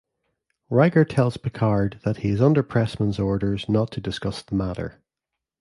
Riker tells Picard that he is under Pressman's orders not to discuss the matter.